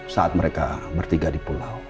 saat mereka bertiga di pulau